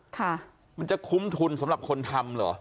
ค่ะมันจะคุ้มทุนสำหรับคนทำเหรอ